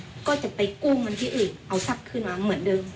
แล้วก็จะไปกู้เงินที่อื่นเอาทรัพย์คืนมาเหมือนเดิม